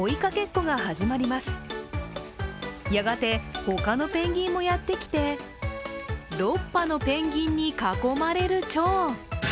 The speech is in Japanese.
するとやがて他のペンギンもやってきて６羽のペンギンに囲まれるちょう。